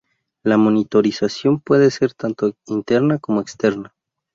La monitorización puede ser tanto interna como externa.